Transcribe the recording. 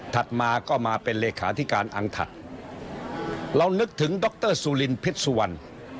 มาก็มาเป็นเลขาธิการอังถัดเรานึกถึงดรสุลินพิษสุวรรณ